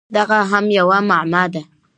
دغه هم یوه معما ده!